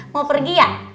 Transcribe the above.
mau pergi ya